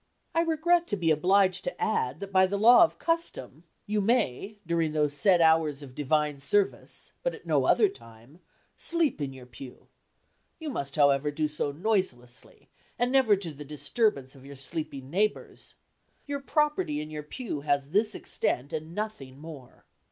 I regret to be obliged to add that by the law of custom, you may, during those said hours of divine service (but at no other time) sleep in your pew; you must, however, do so noiselessly and never to the disturbance of your sleeping neighbors; your property in your pew has this extent and nothing more.